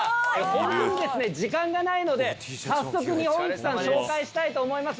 ホントにですね時間がないので早速日本一さん紹介したいと思います。